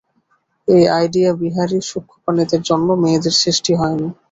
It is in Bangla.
এই আইডিয়াবিহারী সূক্ষ্ম প্রাণীদের জন্যে মেয়েদের সৃষ্টি হয় নি।